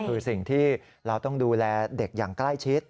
คือสิ่งที่เราต้องดูแลเด็กอย่างใกล้ชิด